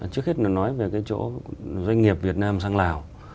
trước hết mà nói về cái chỗ doanh nghiệp việt nam sang lào